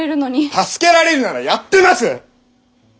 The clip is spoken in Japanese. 助けられるならやってます！